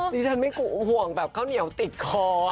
ดิฉันไม่ห่วงแบบข้าวเหนียวติดคอ